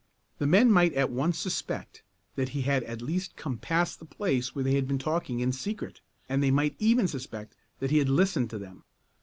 The men might at once suspect that he had at least come past the place where they had been talking in secret, and they might even suspect that he had listened to them.